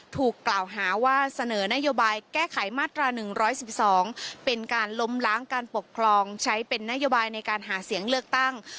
ถูกกล่าวหาว่าเสนอนโยบายแก้ไขมาตรา๑๑๒เป็นการล้มล้างการปกครองใช้เป็นนโยบายในการหาเสียงเลือกตั้ง